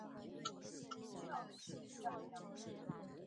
坎普博尼图是巴西巴拉那州的一个市镇。